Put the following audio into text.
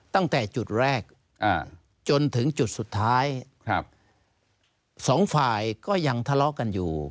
ตั้งแต่จุดแรกจนถึงจุดสุดท้ายครับสองฝ่ายก็ยังทะเลาะกันอยู่